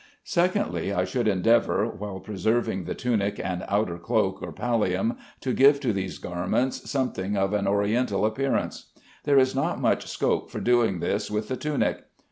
Secondly, I should endeavor, while preserving the tunic and outer cloak or pallium, to give to these garments something of an Oriental appearance. There is not much scope for doing this with the tunic.